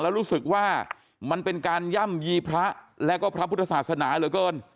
แล้วรู้สึกว่ามันเป็นการย่ำยีพระแล้วก็พระพุทธศาสนาเหลือเกิน